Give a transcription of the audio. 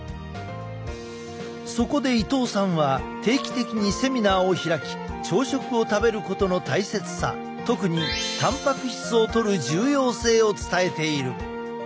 そこで伊藤さんは定期的にセミナーを開き朝食を食べることの大切さ特にたんぱく質をとる重要性を伝えている。